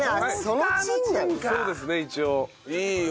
そうですね一応。